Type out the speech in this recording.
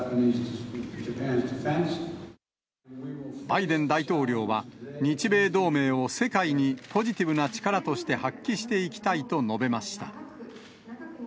バイデン大統領は、日米同盟を世界にポジティブな力として発揮していきたいと述べました。